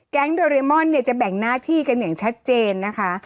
โดเรมอนเนี่ยจะแบ่งหน้าที่กันอย่างชัดเจนนะคะ